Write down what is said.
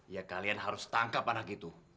ya kalian harus tangkap anak itu